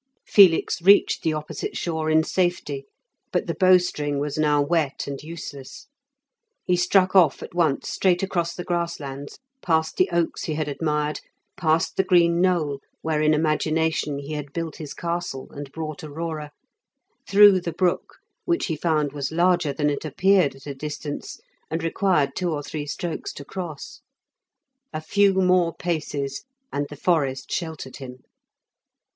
Felix reached the opposite shore in safety, but the bow string was now wet and useless. He struck off at once straight across the grass lands, past the oaks he had admired, past the green knoll where in imagination he had built his castle and brought Aurora, through the brook, which he found was larger than it appeared at a distance, and required two or three strokes to cross. A few more paces and the forest sheltered him.